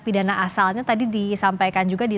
pidana asalnya tadi disampaikan juga di